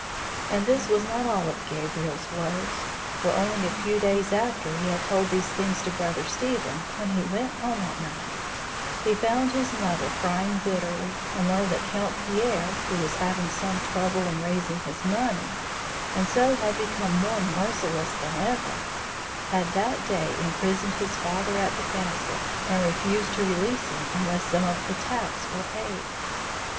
And this was not all of Gabriel's woes; for only a few days after he had told these things to Brother Stephen, when he went home at night, he found his mother crying bitterly, and learned that Count Pierre, who was having some trouble in raising his money, and so had become more merciless than ever, had that day imprisoned his father at the castle, and refused to release him unless some of the tax were paid.